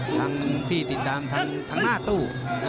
ที่ติดตามทางหน้าตู้